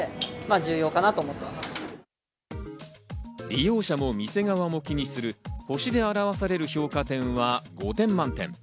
利用者も店側も気にする、星で表される評価点は５点満点。